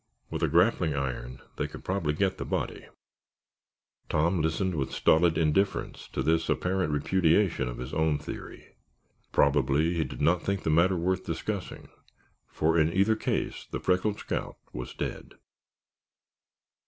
With a grappling iron they could probably get the body." Tom listened with stolid indifference to this apparent repudiation of his own theory. Probably he did not think the matter worth discussing for in either case the freckled scout was dead.